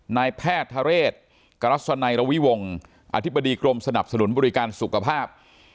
นายแพทย์ทะเรศกรัศนัยระวิวงศ์อธิบดีกรมสนับสนุนบริการสุขภาพ